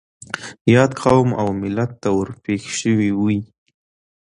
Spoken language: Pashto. ياد قوم او ملت ته ور پېښ شوي وي.